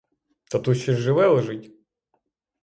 Та тут щось живе лежить!